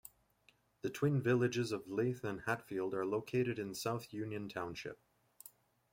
The twin villages of Leith and Hatfield are located in South Union Township.